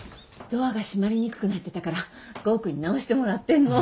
ドアが閉まりにくくなってたから剛くんに直してもらってるの。